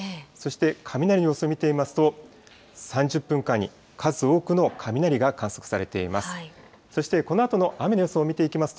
そして雷の予想を見ていきますと、３０分間に数多くの雷が観測されています。